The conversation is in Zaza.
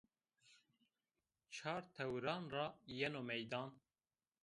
Çar tewiran ra yeno meydan